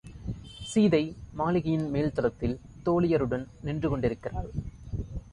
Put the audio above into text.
சீதை மாளிகையின் மேல் தளத்தில் தோழியருடன் நின்றுகொண்டிருக்கிறாள்.